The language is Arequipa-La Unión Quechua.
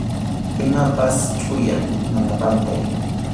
Imapas chʼuya, mana pantay.